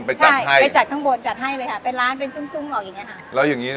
ไปจัดให้ใช่ไปจัดทั้งบนจัดให้เลยค่ะเป็นร้านเป็นซุ้มซุ้มหรอกอย่างเงี้ยค่ะ